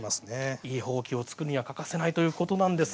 いいほうきを作るのには欠かせないということです。